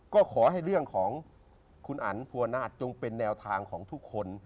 ก็ขอให้เรื่องของคุณอันภูวนาศจงเป็นแนวทางของทุกคน